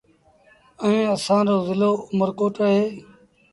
ائيٚݩ اسآݩ رو زلو اُ مر ڪوٽ اهي